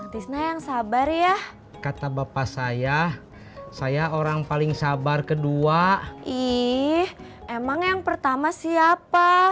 tisna yang sabar ya kata bapak saya saya orang paling sabar kedua ih emang yang pertama siapa